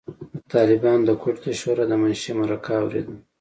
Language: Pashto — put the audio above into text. د طالبانو د کوټې د شورای د منشي مرکه اورېده.